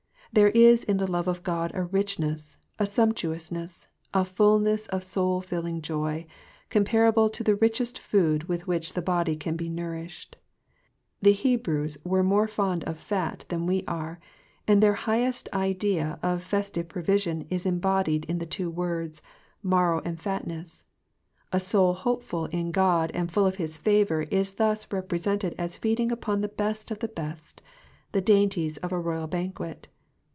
There is in the love of God a richness, a sumptuousness, a fulness of soul filling joy, com parable to the richest food with which the body can be nourished. The Hebrews were more fond of fat than we are, and their highest idea of festive provision is embodied in the two words, marrow and fatness:'''' a soul hopeful in God and full of his favour is thus represented as feeding upon the best of the best, the dainties of a royal banquet.